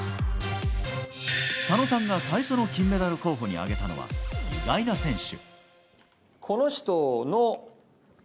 佐野さんが最初の金メダル候補に挙げたのは意外な選手。